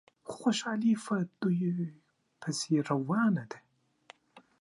خو خوشحالي په دوی پسې روانه ده.